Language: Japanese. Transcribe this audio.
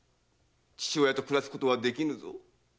父親と暮らすことはできぬぞ。